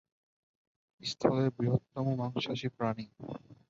স্থলের বৃহত্তম মাংসাশী প্রাণী।